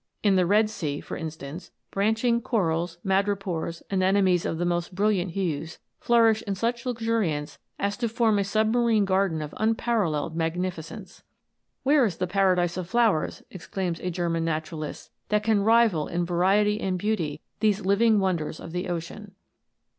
In the Red Sea, for instance, branching corals, madrepores, anemones of the most brilliant hues, flourish in such luxuriance as to form a submarine garden of unpa ralleled magnificence. " Where is the paradise of flowers," exclaims a German naturalist, " that can rival in variety and beauty these living wonders of the ocean